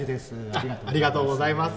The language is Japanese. ありがとうございます。